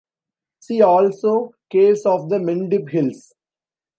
See also Caves of the Mendip Hills.